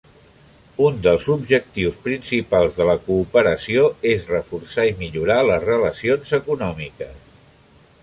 Un dels objectius principals de la cooperació és reforçar i millorar les relacions econòmiques.